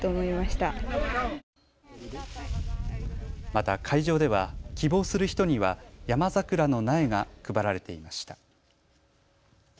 また会場では希望する人にはヤマザクラの苗が配られていました。